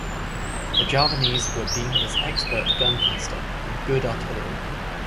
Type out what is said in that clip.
The Javanese were deemed as expert gun caster and good artillerymen.